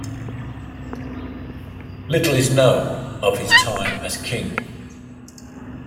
Little is known of his time as king.